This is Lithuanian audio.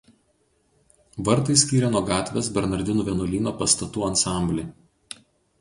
Vartai skyrė nuo gatvės Bernardinų vienuolyno pastatų ansamblį.